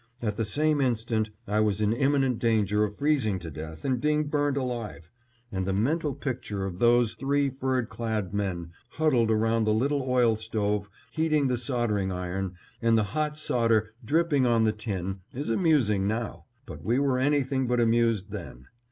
At the same instant I was in imminent danger of freezing to death and being burned alive; and the mental picture of those three fur clad men, huddled around the little oil stove heating the soldering iron, and the hot solder dripping on the tin, is amusing now; but we were anything but amused then.